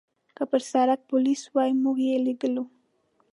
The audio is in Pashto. که پر سړک پولیس وای، موږ یې لیدلو.